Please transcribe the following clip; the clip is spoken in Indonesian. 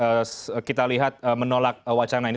kemudian mendukung dan yang kita lihat menolak wacana ini